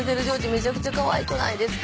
めちゃくちゃかわいくないですか。